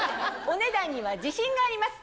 お値段には自信があります。